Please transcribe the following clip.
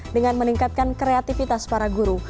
dengan meningkatkan kreativitas para guru